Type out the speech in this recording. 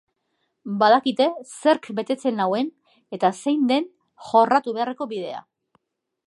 Badakite zerk betetzen nauen eta zein den jorratu beharreko bidea.